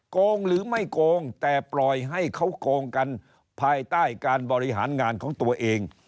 โกงหรือไม่โกงแต่ปล่อยให้เขาโกงกันภายใต้การบริหารงานของตัวเอง